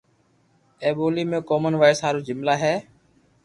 اي بوني ۾ ڪومن وائس ھارون جملا بي